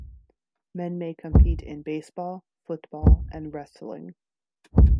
Men may compete in baseball, football, and wrestling.